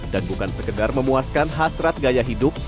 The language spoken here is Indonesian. dan bukan sekedar memuaskan hasrat gaya hidup